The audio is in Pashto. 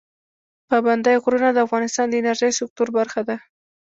پابندی غرونه د افغانستان د انرژۍ سکتور برخه ده.